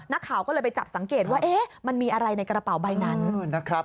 นักข่าวก็เลยไปจับสังเกตว่ามันมีอะไรในกระเป๋าใบนั้นนะครับ